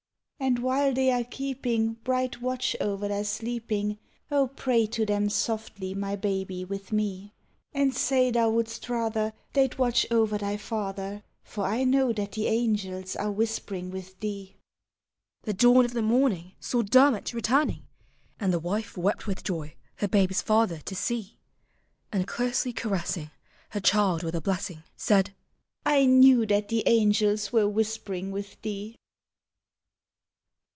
" And while they are keeping Bright watch o'er thy sleeping, Digitized by Google ; ABOUT CHILDREN. 11 O, pray to them softly, my baby, with me,— And say thou wouldst rather They 'd watch o'er thy father ! For 1 kuow that the angels are whispering with thee." The dawn of the morning Saw Dermot returning. And the wife wept with joy her babe's father to And closely caressing Her child with a blessing. Said, " I knew that the angels were whispering with thee."